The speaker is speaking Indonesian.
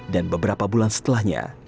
dan beberapa bulan setelahnya